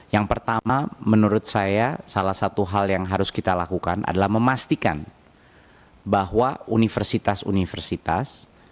yang pertama menurut saya salah satu hal yang harus kita lakukan adalah memastikan bahwa universitas universitas